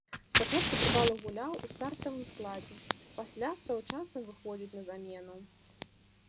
Спачатку трывала гуляў у стартавым складзе, пасля стаў часам выхадзіць на замену.